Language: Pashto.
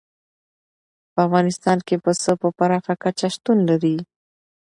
په افغانستان کې پسه په پراخه کچه شتون لري.